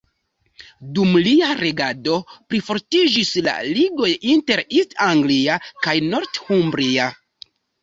Dum lia regado plifortiĝis la ligoj inter East Anglia kaj Northumbria.